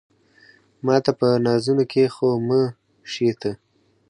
ماته په نازونو کې خو مه شې ته